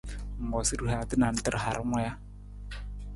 Ng moosa rihaata nantar harung ja?